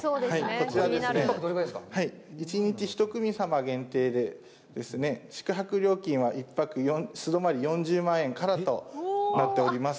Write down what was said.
こちらはですね、１日１組様限定で、宿泊料金は素泊まり１泊４０万円からとなっております。